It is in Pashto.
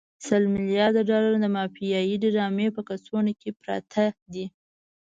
سل ملیارده ډالر د مافیایي ډرامې په کڅوړو کې پراته دي.